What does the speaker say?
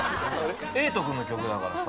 瑛人君の曲だからさ。